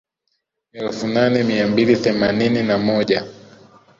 Elfu nane mia mbili themanini na moja